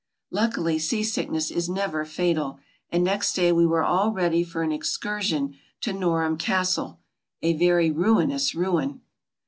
Luckily seasickness is never fatal and next day we were all ready for an excursion to Norham Castle, a very ruinous ruin.